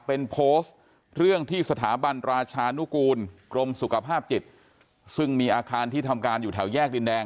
เป็นโพสต์เรื่องที่สถาบันราชานุกูลกรมสุขภาพจิตซึ่งมีอาคารที่ทำการอยู่แถวแยกดินแดง